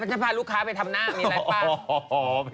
จะพาลูกค้าไปทำหน้ามีอะไรป่ะ